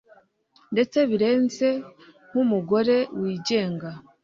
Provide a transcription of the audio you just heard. ndetse birenze nkumugore wigenga